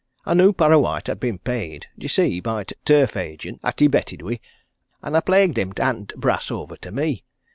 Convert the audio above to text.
I knew Parrawhite had been paid, d'ye see, by t' turf agent, 'at he betted wi', and I plagued him to hand t' brass over to me.